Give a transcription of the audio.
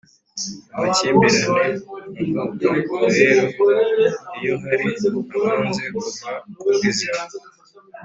amakimbirane avuka rero iyo hari abanze kuva ku izima